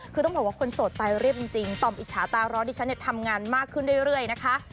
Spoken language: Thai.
คือต้องบอกว่าคนโสดตายเรียบจริงต่อมอิจฉาตาร้อนที่ฉันทำงานมากขึ้นเรื่อยนะคะ